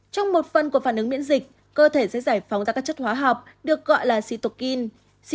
trong một phần của phản ứng miễn dịch cơ thể sẽ giải phóng ra các chất hóa học được gọi là setukin